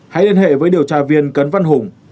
hãy liên hệ với điều tra viên cấn văn hùng